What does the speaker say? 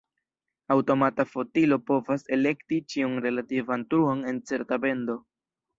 Aŭtomata fotilo povas elekti ĉiun relativan truon en certa bendo.